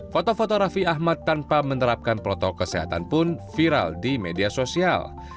foto foto raffi ahmad tanpa menerapkan protokol kesehatan pun viral di media sosial